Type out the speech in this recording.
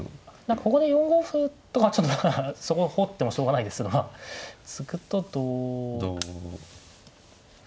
ここで４五歩とかちょっとそこ掘ってもしょうがないですが突くと同歩で。